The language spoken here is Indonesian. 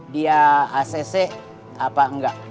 dia acc apa enggak